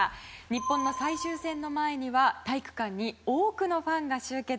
日本の最終戦の前には体育館に多くのファンが集結。